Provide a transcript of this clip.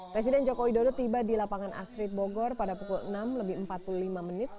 presiden joko widodo tiba di lapangan astrid bogor pada pukul enam lebih empat puluh lima menit